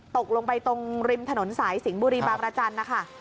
ตกลงไปตรงริมถนนสายสิงห์บุรีบางรจันทร์นะคะ